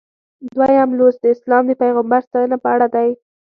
دویم لوست د اسلام د پیغمبر ستاینه په اړه دی.